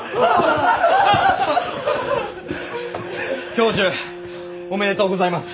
教授おめでとうございます！